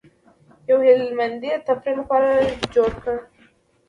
یو هلمندي د تفریح لپاره جوړ کړی دی.